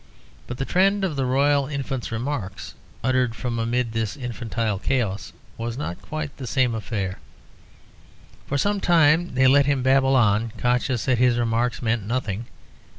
But the trend of the royal infant's remarks, uttered from amid this infantile chaos, was not quite the same affair. For some time they let him babble on, conscious that his remarks meant nothing.